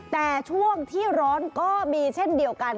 แต่ช่วงที่ร้อนก็มีเช่นเดียวกัน